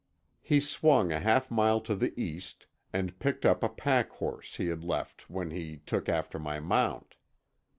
He swung a half mile to the east, and picked up a pack horse he had left when he took after my mount.